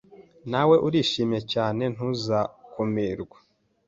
Nawe urishimye cyane ntuzakumirwa